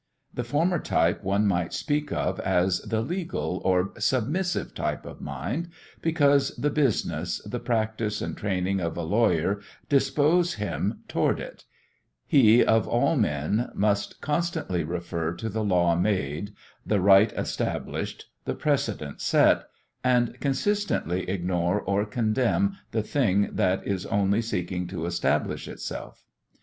The former type one might speak of as the legal or submissive type of mind, because the business, the practice, and the training of a lawyer dispose him toward it; he of all men must constantly refer to the law made, the right established, the precedent set, and consistently ignore or condemn the thing that is only seeking to establish itself.